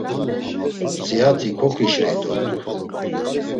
Mtzeati koǩişirey dort̆u.